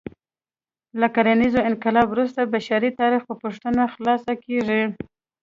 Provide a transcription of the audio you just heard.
له کرنیز انقلاب وروسته بشري تاریخ په پوښتنه خلاصه کېږي.